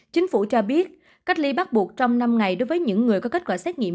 chính phủ cho biết cách ly bắt buộc trong năm ngày đối với những người có kết quả xét nghiệm